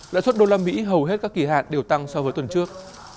lãi suất usd hầu hết các kỳ hạn đều tăng so với tuần trước